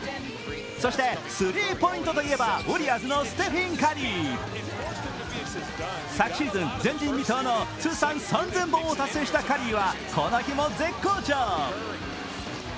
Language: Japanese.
そして、スリーポイントといえばウォリアーズのステフィン・カリー昨シーズン前人未到の通算３０００本を達成したカリーはこの日も絶好調。